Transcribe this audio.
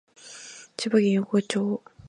千葉県横芝光町